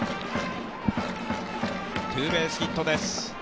ツーベースヒットです。